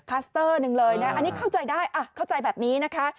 สเตอร์หนึ่งเลยนะอันนี้เข้าใจได้เข้าใจแบบนี้นะคะ